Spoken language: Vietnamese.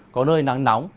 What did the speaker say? có nơi nắng nóng